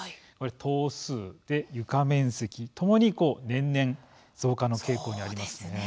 棟数、床面積ともに年々増加の傾向にあります。